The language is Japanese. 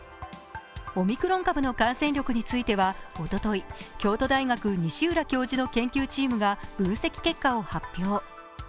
オミクロン株の感染力についてはおととい、京都大学の西浦教授のチームが分析結果を発表。